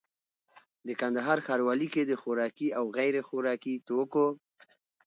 کندهار ښاروالي کي د خوراکي او غیري خوراکي توکو